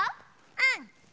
うん。